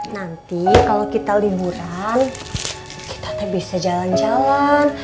nanti kalau kita liburan kita bisa jalan jalan